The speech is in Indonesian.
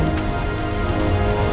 aku akan menang